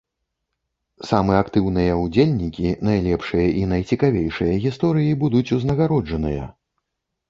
Самы актыўныя ўдзельнікі, найлепшыя і найцікавейшыя гісторыі будуць узнагароджаныя!